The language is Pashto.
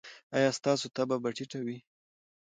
ایا ستاسو تبه به ټیټه وي؟